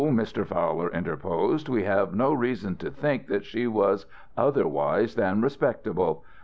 Mr. Fowler interposed. "We have no reason to think that she was otherwise than respectable.